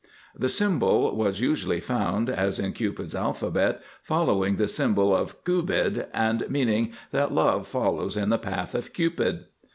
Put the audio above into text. This symbol was usually found, as in Cupid's Alphabet, following the symbol of Kubid, and meaning that Love follows in the path of Cupid.